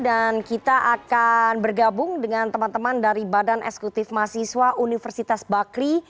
dan kita akan bergabung dengan teman teman dari badan eksekutif mahasiswa universitas bakri